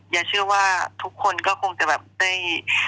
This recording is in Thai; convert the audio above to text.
แย้เชื่อว่าทุกคนก็ก็คงจะได้